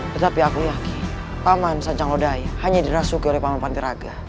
tetapi aku yakin paman sancang lodaya hanya dirasuki oleh paman batiraka